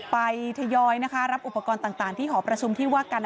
ทยอยรับอุปกรณ์ต่างที่หอประชุมที่ว่ากัน